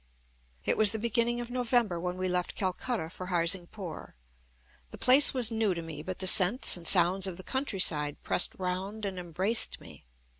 It was the beginning of November when we left Calcutta for Harsingpur. The place was new to me, but the scents and sounds of the countryside pressed round and embraced me.